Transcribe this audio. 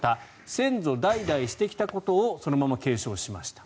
先祖代々してきたことをそのまま継承しました。